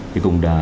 thì cũng đã